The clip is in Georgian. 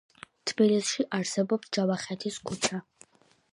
თბილისში არსებობს ჯავახეთის ქუჩა.